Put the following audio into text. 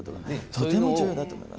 とても重要だと思います。